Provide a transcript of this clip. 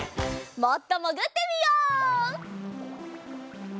もっともぐってみよう！